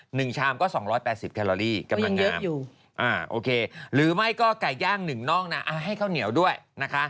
หนึ่งชามก็๒๘๐แคลอรี่กำลังน้ำโอเคหรือไม่ก็ไก่ย่างหนึ่งนอกนะให้ข้าวเหนียวด้วยนะคะ